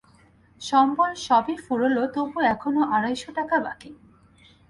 সম্বল সবই ফুরোল তবু এখনো আড়াইশো টাকা বাকি।